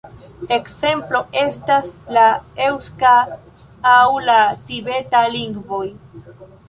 Ekzemplo estas la eŭska aŭ la tibeta lingvoj.